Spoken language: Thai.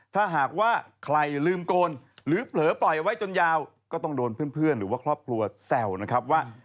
ถ้าหากว่าใครลืมโกนหรือเผลอปล่อยไว้จนยาวก็ต้องโดนเพื่อนหรือว่าครอบครัวแซวนะครับว่า